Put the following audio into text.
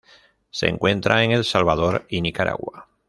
Se encuentra en El Salvador y Nicaragua.